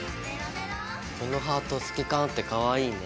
このハート透け感あってかわいいね。